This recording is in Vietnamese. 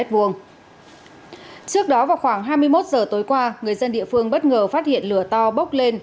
trước đó vào khoảng hai mươi một h tối qua người dân địa phương bất ngờ phát hiện lửa to bốc lên